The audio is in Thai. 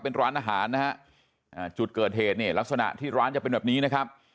เป็นร้านอาหารนะฮะจุดเกิดเหตุเนี่ยลักษณะที่ร้านจะเป็นแบบนี้นะครับ